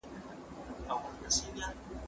بل د الله تعالی دغه قول دی.